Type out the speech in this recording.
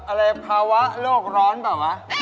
อะไรภาวะโรคร้อนบ่ะวะ